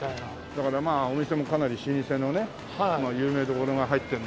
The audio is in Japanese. だからまあお店もかなり老舗のね有名どころが入ってんのが多い。